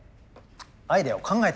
アイデアを考えてみよう。